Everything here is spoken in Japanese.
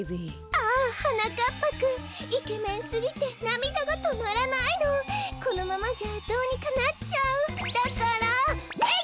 ああはなかっぱくんイケメンすぎてなみだがとまらないのこのままじゃどうにかなっちゃうだからえいっ！